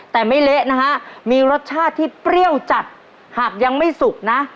แต่ไม่เละนะฮะมีรสชาติที่เปรี้ยวจัดหากยังไม่สุกนะ